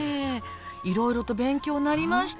いろいろと勉強になりました。